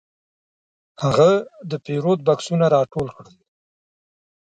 هغه د پیرود بکسونه راټول کړل.